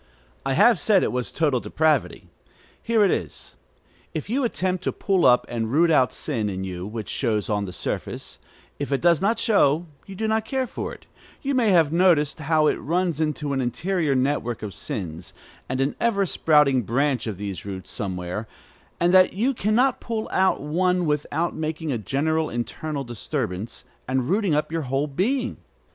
I have said it was total depravity. Here it is. If you attempt to pull up and root out sin in you, which shows on the surface, if it does not show, you do not care for it, you may have noticed how it runs into an interior network of sins, and an ever sprouting branch of these roots somewhere; and that you can not pull out one without making a general internal disturbance, and rooting up your whole being.